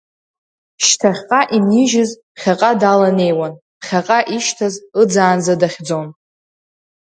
Шьҭахьҟа инижьыз ԥхьаҟа даланеиуан, ԥхьаҟа ишьҭаз ыӡаанӡа дахьӡон.